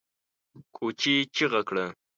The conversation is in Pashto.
کوچي چيغه کړه!